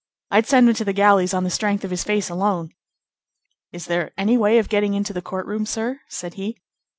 I'd send him to the galleys on the strength of his face alone." "Is there any way of getting into the court room, sir?" said he.